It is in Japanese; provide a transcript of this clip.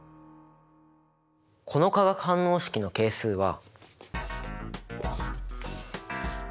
この化学反応式の係数は。